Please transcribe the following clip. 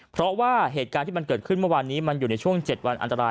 เพราะเกิดเกิดขึ้นมันอยู่ในช่วง๗วันอันตราย